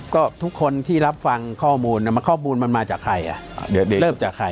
ก็ทุกคนที่รับฟังข้อมูลข้อมูลมันมาจากใครเริ่มจากใคร